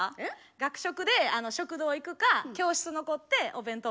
学食で食堂行くか教室残ってお弁当食べるか。